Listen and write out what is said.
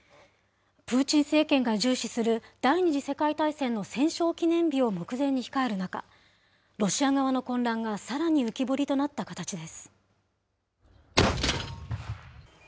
プーチン政権が重視する第２次世界大戦の戦勝記念日を目前に控える中、ロシア側の混乱がさらに浮き彫りになった形です。